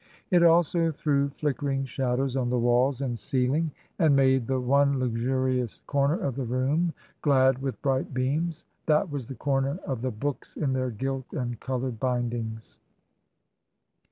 It also threw flickering shadows on the walls and ceiling and made the one luxurious corner of the room glad with bright beams — that was the corner of the books in their gilt and coloured bindings.